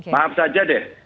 maaf saja deh